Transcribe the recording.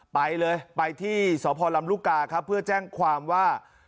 ไปเลยไปที่สพลำลูกกาครับเพื่อแจ้งความว่า